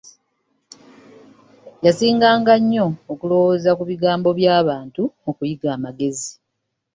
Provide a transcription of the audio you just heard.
Yasinganga nnyo okulowooza ku bigambo bya bantu nu kuyiga amagezi.